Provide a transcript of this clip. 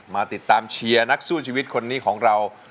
มาติดตามเชียร์นักสู้ชีวิตคนนี้ของเรา